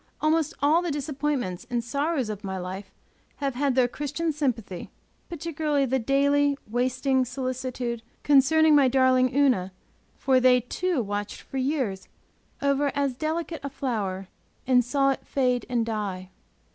Almost all the disappointments and sorrows of my life have had their Christian sympathy, particularly the daily, wasting solicitude concerning my darling Una, for they to watched for years over as delicate a flower, and saw it fade and die.